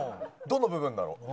どの部分だろう？